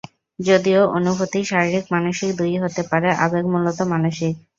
যদিও অনুভূতি শারিরীক/মানসিক দুইই হতে পারে, আবেগ মূলতঃ মানসিক।